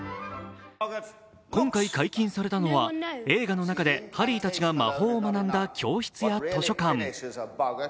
今回解禁されたのは映画の中でハリーたちが魔法を学んだ教室や図書館。